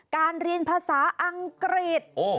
เรียนภาษาอังกฤษ